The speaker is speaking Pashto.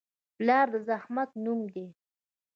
پلار د زحمت نوم دی.